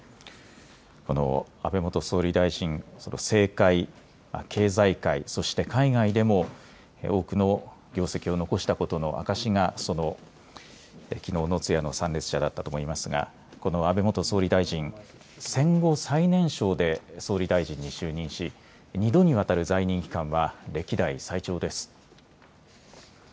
安倍元総理大臣、政界、経済界、そして海外でも多くの業績を残したことの証しがきのうの通夜の参列者だったと思いますがこの安倍元総理大臣、戦後最年少で総理大臣に就任し２度にわたる在任期間は歴代最長です。